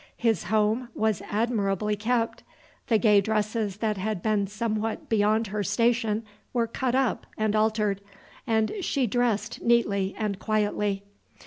His home was admirably kept, the gay dresses that had been somewhat beyond her station were cut up and altered, and she dressed neatly and quietly.